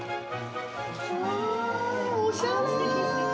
うわー、おしゃれ！